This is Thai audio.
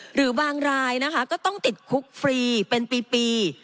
หรือบางรายนะคะก็ต้องติดคุกฟรีเป็นปี